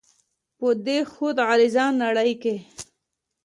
په دې خود غرضه نړۍ کښې